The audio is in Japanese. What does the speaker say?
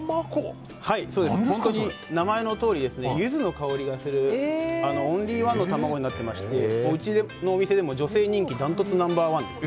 本当に名前のとおりユズの香りがするオンリーワンの卵になってましてうちのお店でも女性人気ダントツナンバー１です。